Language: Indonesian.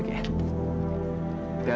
kakek bisa keluar